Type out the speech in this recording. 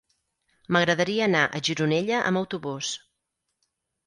M'agradaria anar a Gironella amb autobús.